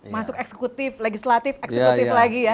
masuk eksekutif legislatif eksekutif lagi ya